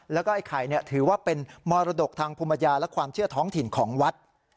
แล้วก็ไอ้ไข่ถือว่าเป็นมรดกทางภูมิปัญญาและความเชื่อท้องถิ่นของวัด